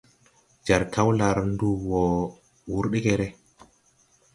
Jar Kaolar nduu wɔɔ wur degɛrɛ.